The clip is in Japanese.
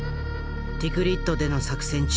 ティクリットでの作戦